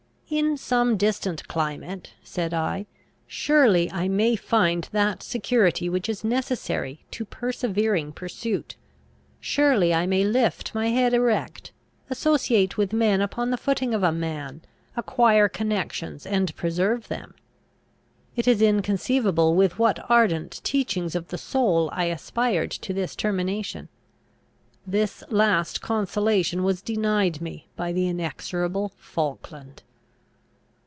"In some distant climate," said I, "surely I may find that security which is necessary to persevering pursuit; surely I may lift my head erect, associate with men upon the footing of a man, acquire connections, and preserve them!" It is inconceivable with what ardent Teachings of the soul I aspired to this termination. This last consolation was denied me by the inexorable Falkland.